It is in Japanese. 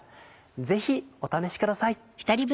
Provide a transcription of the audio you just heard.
ぜひお試しください。